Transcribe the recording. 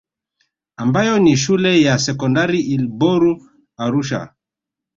Ambayo ni shule ya Sekondari Ilboru Arusha